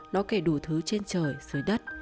nó kể đủ thứ trên trời dưới đất